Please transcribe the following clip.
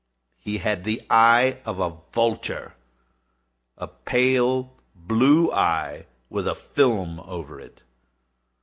He had the eye of a vulture—a pale blue eye, with a film over it.